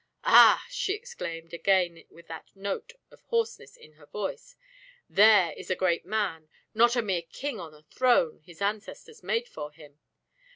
"Ah!" she exclaimed, again with that note of hoarseness in her voice. "There is a great man, not a mere king on a throne his ancestors made for him.